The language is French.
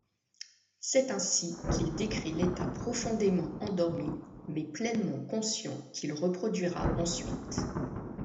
C'est ainsi qu'il décrit l'état profondément endormi mais pleinement conscient qu'il reproduira ensuite.